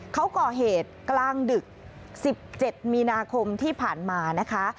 เขาก่อเหตุกลางดึก๑๗มีนาคมที่ผ่านมานะคะ